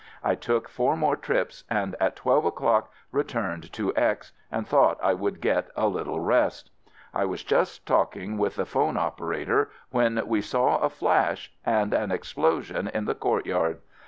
I took four more trips and at twelve o'clock returned FIELD SERVICE 47 to X and thought I would get a little rest. I was just talking with the phone operator when we saw a flash — and an explosion in the courtyard